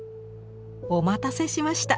お待たせしました。